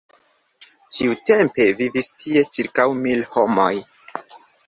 Tiutempe vivis tie ĉirkaŭ mil homoj.